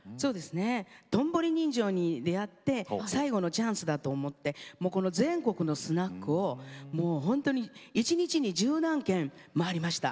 「道頓堀人情」に出会って最後のチャンスだと思ってこの全国のスナックを一日に十何軒、回りました。